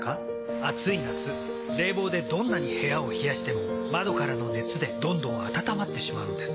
暑い夏冷房でどんなに部屋を冷やしても窓からの熱でどんどん暖まってしまうんです。